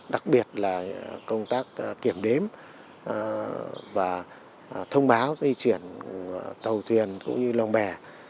đặc biệt là công tác kiểm đếm và thông báo di chuyển tàu thuyền cũng như lòng bè